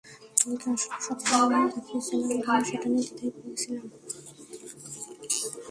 তোমাকে আসলে স্বপ্নে দেখেছিলাম কিনা সেটা নিয়ে দ্বিধায় পড়ে গিয়েছিলাম।